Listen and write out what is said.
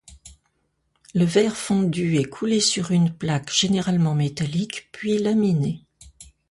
Le verre fondu est coulé sur une plaque généralement métallique puis laminé.